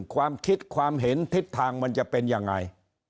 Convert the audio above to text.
ความคิดความเห็นทิศทางมันจะเป็นยังไง